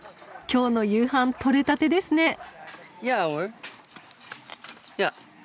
今日の夕飯取れたてですね！